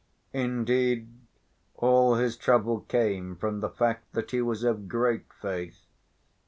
Indeed, all his trouble came from the fact that he was of great faith.